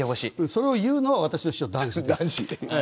それを言うのは私の師匠の談志です。